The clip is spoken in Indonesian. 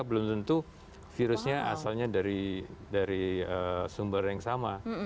belum tentu virusnya asalnya dari sumber yang sama